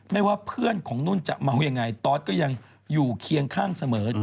ว่าเพื่อนของนุ่นจะเมายังไงตอสก็ยังอยู่เคียงข้างเสมอ